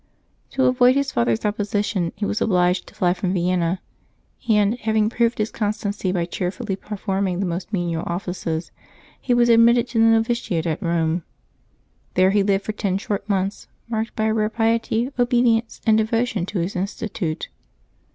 To avoid his father's opposition, he waa obliged to fly from Vienna; and, having proved his con stancy by cheerfully performing the most menial offices, he was admitted to the novitiate at Eome. There he lived for ten short months marked by a rare piety, obedience, and devotion to his institute.